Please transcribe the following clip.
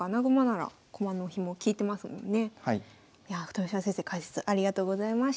豊島先生解説ありがとうございました。